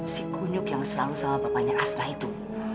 si kunyuk yang selalu sama bapaknya asbah itu